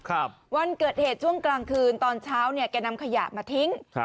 อ๊างเกิดเหตุช่วงกลางคืนตอนเช้านี่แกนำขยะมาทิ้ง